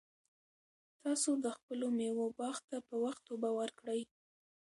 تاسو د خپلو مېوو باغ ته په وخت اوبه ورکړئ.